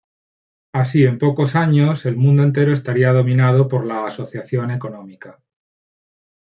Así, en pocos años, el mundo entero estaría dominado por la asociación económica.